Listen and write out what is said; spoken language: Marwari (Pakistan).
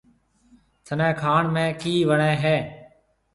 ٿَني کائڻ ۾ ڪِي وڻيَ هيَ؟